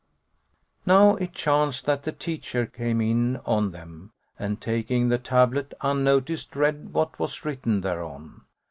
Now it chanced that the teacher came in on them and taking the tablet, unnoticed, read what was written thereon.